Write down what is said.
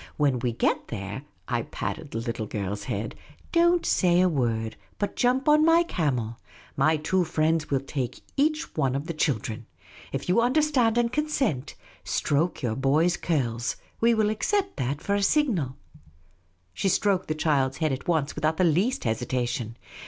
When we get there," I patted the little girl's head, " don't say a word, The Unobtrusive Oasis 201 but jump on my camel. My two friends will each take one of the children. If you understand and consent, stroke your boy's curls. We will accept that for a signal." She stroked the child's head at once without the least hesitation.